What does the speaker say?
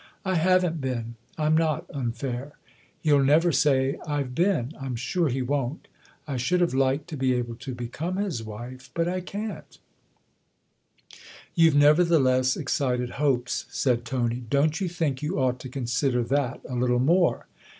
I haven't been I'm not unfair. He'll never say I've been I'm sure he won't. I should have liked to be able to become his wife. But I can't." THE OTHER HOUSE 175 " You've nevertheless excited hopes," said Tony. " Don't you think you ought to consider that a little more